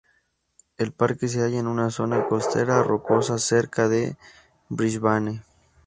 El parque se halla en una zona costera rocosa cerca de Brisbane.